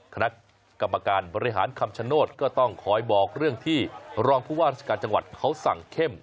คณะกรรมการบริหารคำชโนธก็ต้องคอยบอกเรื่องที่รองผู้ว่าราชการจังหวัดเขาสั่งเข้ม